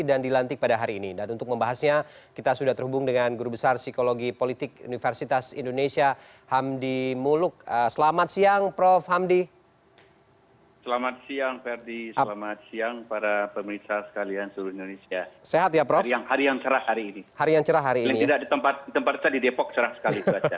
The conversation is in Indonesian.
jangan ada tempat tempat di depok cerah sekali